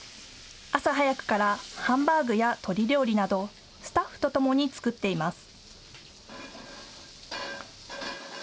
朝早くからハンバーグや鶏料理などスタッフとともに作っています。